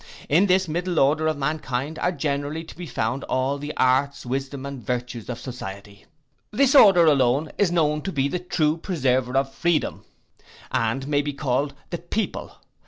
In this middle order of mankind are generally to be found all the arts, wisdom, and virtues of society. This order alone is known to be the true preserver of freedom, and may be called the People.